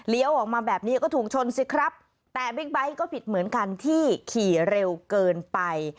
ออกมาแบบนี้ก็ถูกชนสิครับแต่บิ๊กไบท์ก็ผิดเหมือนกันที่ขี่เร็วเกินไป